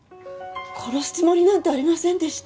殺すつもりなんてありませんでした！